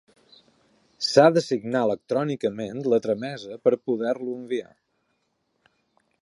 S'ha de signar electrònicament la tramesa per poder-lo enviar.